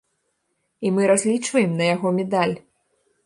І мы разлічваем на яго медаль.